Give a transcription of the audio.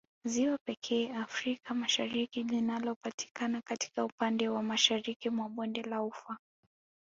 Ziwa pekee Afrika Mashariki linalopatikana katika upande wa mashariki mwa bonde la ufa